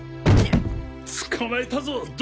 捕まえたぞっ